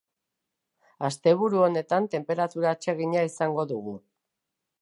Asteburu honetan tenperatura atsegina izango dugu.